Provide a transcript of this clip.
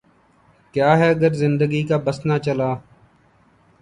کیا ہے گر زندگی کا بس نہ چلا